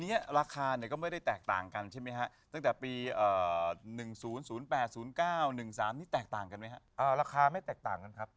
อันนี้ราคาเนี่ยก็ไม่ได้แตกต่างกันใช่ไหมฮะตั้งแต่ปี๑๐๐๘๐๙๑๓นี่แตกต่างกันไหมฮะราคาไม่แตกต่างกันครับ